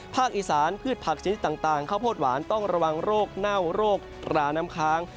อีสานพืชผักชนิดต่างข้าวโพดหวานต้องระวังโรคเน่าโรคราน้ำค้าง